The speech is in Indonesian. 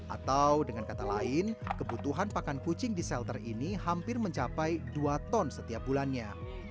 atau dengan kata lain kebutuhan pakan kucing di shelter ini hampir mencapai dua ton setiap bulannya